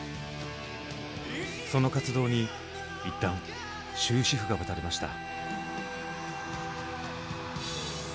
その活動に一旦終止符が打たれました。